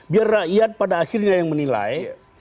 biar rakyat pada akhirnya yang menilai